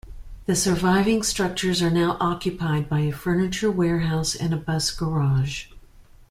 The surviving structures are now occupied by a furniture warehouse and a bus garage.